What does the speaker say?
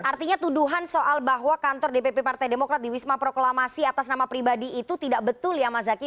artinya tuduhan soal bahwa kantor dpp partai demokrat di wisma proklamasi atas nama pribadi itu tidak betul ya mas zaky